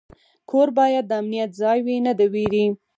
کور باید د امنیت ځای وي، نه د ویرې.